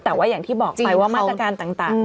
แต่ว่าอย่างที่บอกไปว่ามาตรการต่าง